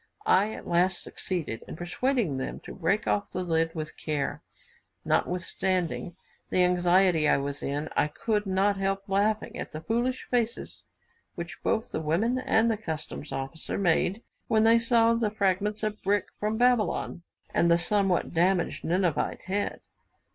I at last succeeded in persuading them to break off the lid with care. Notwithstanding the anxiety I was in, I could not help laughing at the foolish faces which both the women and the customs' officer made when they saw the fragments of brick from Babylon, and the somewhat damaged Ninevite head.